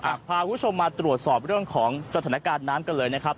พาคุณผู้ชมมาตรวจสอบเรื่องของสถานการณ์น้ำกันเลยนะครับ